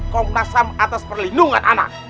komnas ham atas perlindungan anak